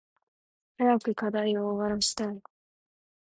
早く課題終わらしたい。